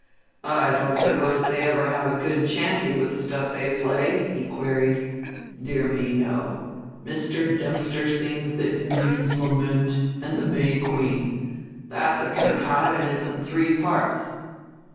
"I don't suppose they ever have a good chantey with the stuff they play?" he queried. "Dear me, no. Mr. Dempster sings The Indian's Lament, and The May Queen: that's a cantata and it's in three parts."